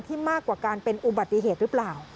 มากกว่าการเป็นอุบัติเหตุหรือเปล่า